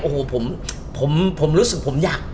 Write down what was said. โอ้โหผมรู้สึกผมอยาก